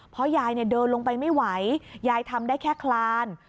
เพราะยายเดินลงไปไม่ไหวยายทำได้แค่คลาน